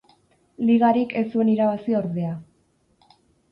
Ligarik ez zuen irabazi ordea.